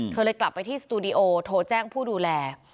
เธอเลยกลับไปที่สตูดิโอโทรแจ้งผู้ดูแล